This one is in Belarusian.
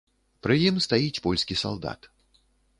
Пры ім стаіць польскі салдат.